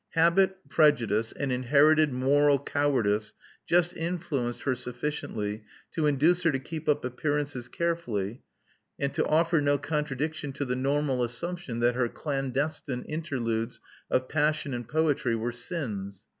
Habit, prejudice, and inherited moral cowardice just influenced her suflficiently to induce her to keep up appearances carefully, and to offer no con tradiction to the normal assumption that her clandestine interludes of passion and poetry were sins.